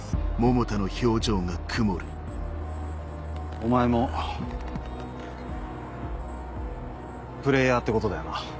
お前もプレーヤーってことだよな。